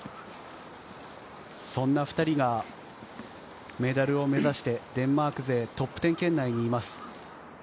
そんな２人がメダルを目指してデンマーク勢、トップ１０圏内にいます。